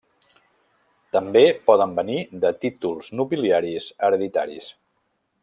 També poden venir de títols nobiliaris hereditaris.